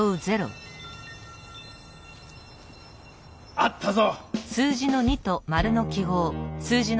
あったぞ！